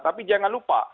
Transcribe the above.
tapi jangan lupa